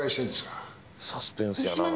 サスペンスやな。